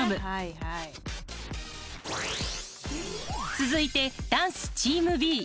続いてダンスチームＢ。